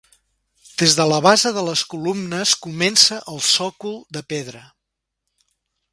Des de la base de les columnes comença el sòcol de pedra.